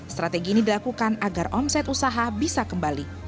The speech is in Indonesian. strategi ini dilakukan agar omset usaha bisa kembali